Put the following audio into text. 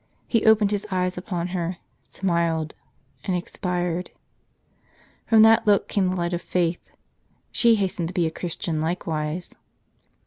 He opened his eyes upon her, smiled, and expired. From that look came the light of faith : she hastened to be a Christian likewise.